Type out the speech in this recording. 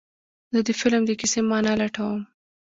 زه د فلم د کیسې معنی لټوم.